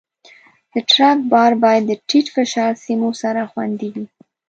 د ټرک بار باید د ټیټ فشار سیمو سره خوندي وي.